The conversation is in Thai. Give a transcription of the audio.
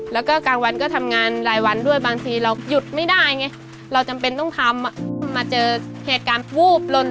แล้วก็กลางวันก็ทำงานรายวันด้วยบางทีเราหยุดไม่ได้ไงเราจำเป็นต้องทำมาเจอเหตุการณ์วูบลน